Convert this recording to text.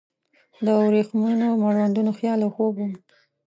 د وریښمینو مړوندونو خیال او خوب وم